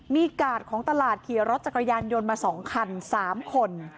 มีกาดของตลาดขี่รถจักรยานยนต์มา๒คัน๓คน